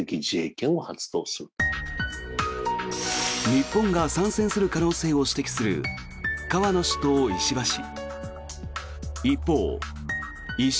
日本が参戦する可能性を指摘する河野氏と石破氏。